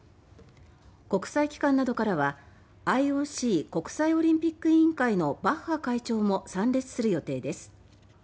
国際機関などからはＩＯＣ・国際オリンピック委員会のバッハ会長も参列する予定です。